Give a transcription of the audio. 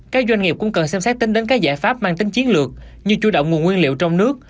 các doanh nghiệp cũng cần xem xét tính đến các giải pháp mang tính chiến lược như chủ động nguồn nguyên liệu trong nước